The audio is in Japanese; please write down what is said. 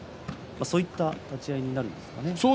そういった立ち合いになりますね。